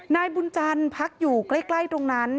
นายบุญจันทร์พักอยู่ใกล้ตรงนั้น